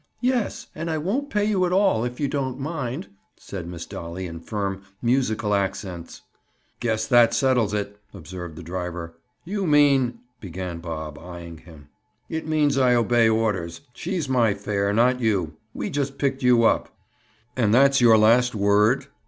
"Yes, and I won't pay you at all, if you don't mind," said Miss Dolly in firm musical accents. "Guess that settles it," observed the driver. "You mean—?" began Bob, eying him. "It means I obey orders. She's my 'fare,' not you. We just picked you up." "And that's your last word?"